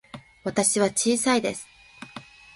私は小さいです。